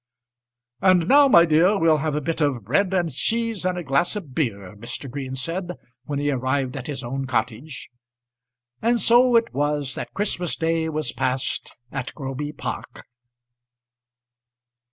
"And now, my dear, we'll have a bit of bread and cheese and a glass of beer," Mr. Green said when he arrived at his own cottage. And so it was that Christmas day was passed at Groby Park.